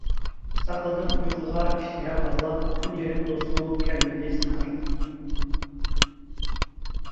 ساقلىدىم ئۇيقۇغا ئىشتىھا باغلاپ تۈن يېرىم بولسىمۇ كەلمىدى زىنھار.